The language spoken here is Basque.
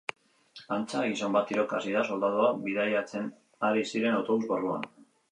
Antza, gizon bat tiroka hasi da soldaduak bidaiatzen ari ziren autobus barruan.